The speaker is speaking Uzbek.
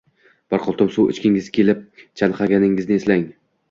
Bir qultum suv ichgingiz kelib chanqaganingizni eslang